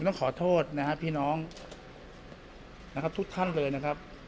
ผมต้องขอโทษนะครับพี่น้องพี่น้องนะครับทุกท่านเลยนะครับ